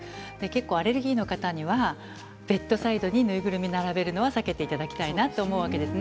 アレルギーの方はベッドサイドに縫いぐるみを並べるのは避けていただきたいと思います。